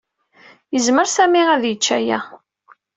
Yezmer Sami ad yečč aya.